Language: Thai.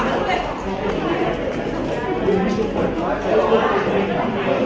ที่เจนนี่ของกล้องนี้นะคะ